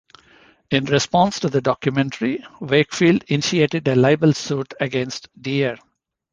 In response to the documentary, Wakefield initiated a libel suit against Deer.